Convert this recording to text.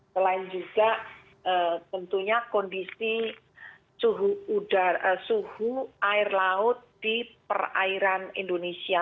selain juga tentunya kondisi suhu air laut di perairan indonesia